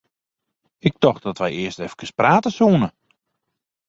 Ik tocht dat wy earst eefkes prate soene.